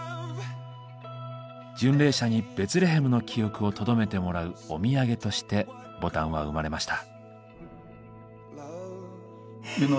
巡礼者にベツレヘムの記憶をとどめてもらうお土産としてボタンは生まれました。